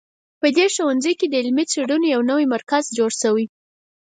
په دې ښوونځي کې د علمي څېړنو یو نوی مرکز جوړ شوی